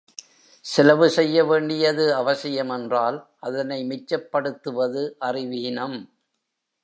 செலவு செய்ய வேண்டியது அவசியம் என்றால் அதனை மிச்சப்படுத்துவது அறிவீனம்.